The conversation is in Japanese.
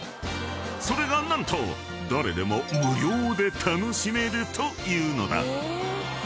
［それが何と誰でも無料で楽しめるというのだ］